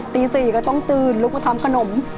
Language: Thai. ตี๔ก็ต้องตื่นลุกมาทำขนม